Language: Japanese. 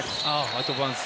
アドバンス。